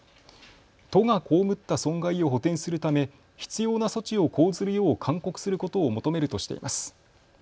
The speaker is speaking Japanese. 都が被った損害を補填するため必要な措置を講ずるよう勧告することを求めるとしています。